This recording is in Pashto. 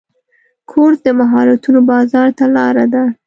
کورس د مهارتونو بازار ته لاره ده.